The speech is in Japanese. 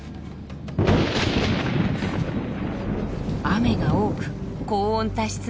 雨が多く高温多湿な雨季。